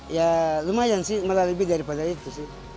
ya lumayan sih malah lebih daripada itu sih